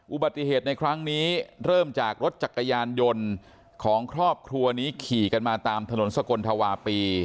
อุบัติเหตุในครั้งนี้เริ่มจากรถจักรยานยนต์ของครอบครัวนี้ขี่กันมาตามถนนสกลธวาปี